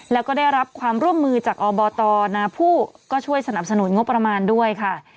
แล้วก็ได้รับความร่วมมือจากอบตนาผู้ก็ช่วยสนับสนุนงบประมาณด้วยค่ะ